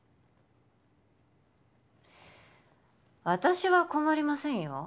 私は困りませんよ